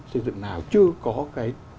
xây dựng nào chưa có cái